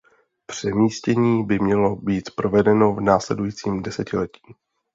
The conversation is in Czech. Přemístění by mělo být provedeno v následujícím desetiletí.